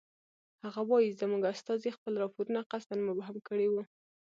هغه وایي زموږ استازي خپل راپورونه قصداً مبهم کړی وو.